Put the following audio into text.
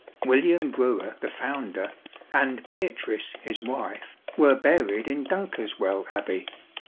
William Brewer, the founder, and Beatrice, his wife, were buried in Dunkeswell Abbey.